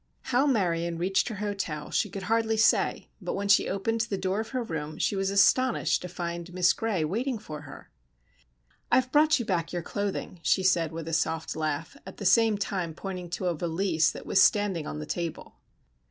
How Marion reached her hotel she could hardly say, but when she opened the door of her room she was astonished to find Miss Gray waiting for her. "I've brought you back your clothing," she said, with a soft laugh, at the same time pointing to a valise that was standing on the table.